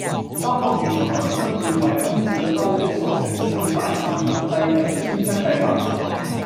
當局認同有需要為空置率高的熟食小販市場制訂遷出計劃